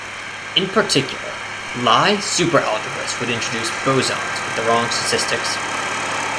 In particular Lie superalgebras would introduce bosons with the wrong statistics.